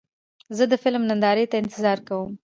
زه د فلم نندارې ته انتظار کوم.